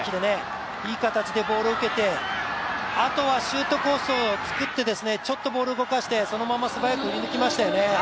いい形でボールを受けて、あとはシュートコースを作ってちょっとボールを動かしてそのまま素早く振り抜きましたよね。